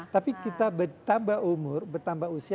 tapi kita bertambah umur bertambah usia